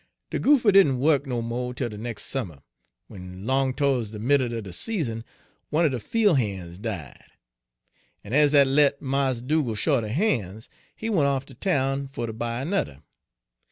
"De goopher didn' wuk no mo' tel de nex' summer, w'en 'long to'ds de middle er de season one er de fiel' han's died; en ez dat let' Mars Dugal' sho't er han's, he went off ter town fer ter buy anudder.